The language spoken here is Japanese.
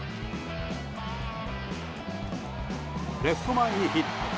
レフト前にヒット。